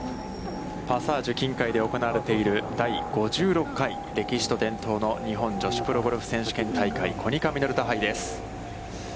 パサージュ琴海で行われている第５６回、歴史と伝統の日本女子プロゴルフ選手権大会コニカミノルタ杯です。